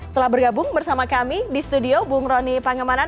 telah bergabung bersama kami di studio bung roni pangemanan